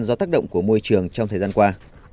do tác động của môi trường trong thời gian qua